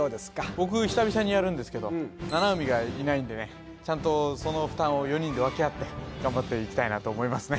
僕久々にやるんですけど七海がいないんでねちゃんとその負担を４人で分け合って頑張っていきたいなと思いますね